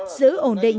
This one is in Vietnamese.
giữ ổn định